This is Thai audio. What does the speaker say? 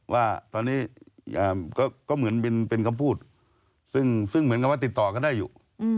ว่าตอนนี้ก็เหมือนเป็นคำพูดซึ่งเหมือนกับว่าติดต่อกันได้อยู่